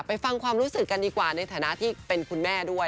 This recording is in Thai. ฟังความรู้สึกกันดีกว่าในฐานะที่เป็นคุณแม่ด้วย